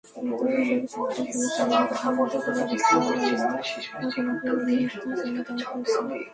তবে শল্যচিকিৎসক ফিরোজ আহমেদ খান হাসপাতালের অব্যবস্থাপনাকে রোগীর মৃত্যুর জন্য দায়ী করেছেন।